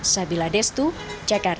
sabila destu jakarta